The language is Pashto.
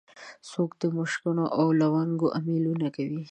څوک د مشکڼو او لونګو امېلونه کوي